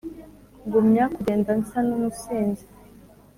Ngumya kugenda nsa n'umusinzi